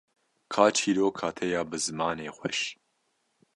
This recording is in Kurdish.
ka çîroka te ya bi zimanê xweş